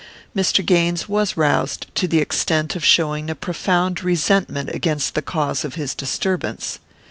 Mr. Gaines was roused to the extent of showing a profound resentment against the cause of his disturbance.